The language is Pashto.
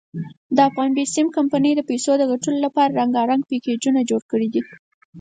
دافغان بېسیم کمپنۍ د پیسو دګټلو ډپاره رنګارنګ پېکېجونه جوړ کړي دي.